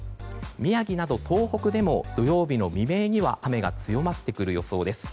宮城など東北でも土曜日の未明には雨が強まってくる予想です。